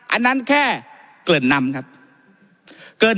อันนั้นแค่เกริ่นนำครับ